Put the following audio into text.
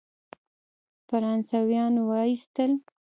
فرانسویان وایستل.